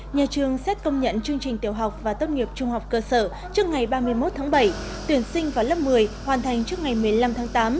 nhà trường xét công nhận chương trình tiểu học và tốt nghiệp trung học cơ sở trước ngày ba mươi một tháng bảy tuyển sinh vào lớp một mươi hoàn thành trước ngày một mươi năm tháng tám